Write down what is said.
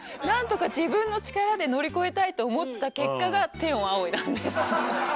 何とか自分の力で乗り越えたいと思った結果が天を仰いだんです。